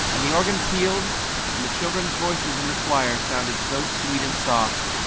The organ played and the children's voices in the choir sounded soft and lovely.